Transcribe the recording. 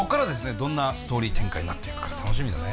どんなストーリー展開になっていくか楽しみだね。